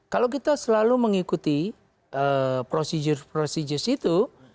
kalau kita selalu mengikuti prosedur prosedur itu